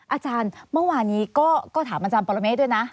อาจารย์เมื่อวานนี้ก็ถามอาจารย์ปรเมฆด้วยนะ